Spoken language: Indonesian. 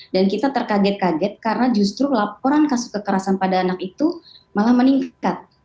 kita terkaget kaget karena justru laporan kasus kekerasan pada anak itu malah meningkat